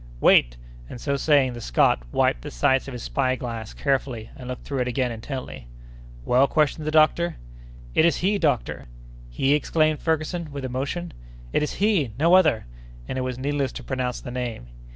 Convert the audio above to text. "Wait!" and so saying, the Scot wiped the sights of his spy glass carefully, and looked through it again intently. "Well?" questioned the doctor. "It is he, doctor!" "He!" exclaimed Ferguson with emotion. "It is he! no other!" and it was needless to pronounce the name.